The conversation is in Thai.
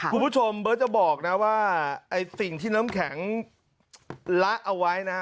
คุณผู้ชมเบิร์ตจะบอกนะว่าไอ้สิ่งที่น้ำแข็งละเอาไว้นะฮะ